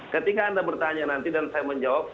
ketika anda bertanya nanti dan saya menjawab